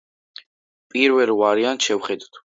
პირველ ვარიანტს შევხედოთ.